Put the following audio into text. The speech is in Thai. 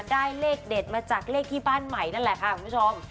ได้เลขเด็ดมาจากเลขที่บ้านใหม่นั่นแหละค่ะคุณผู้ชม